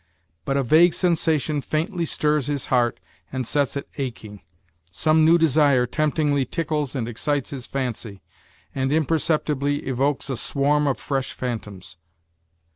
But a vague sensation faintly stirs his heart and sets it aching, some new desire temptingly tickles and excites his fancy, and imperceptibly evokes a swarm of fresh phantoms.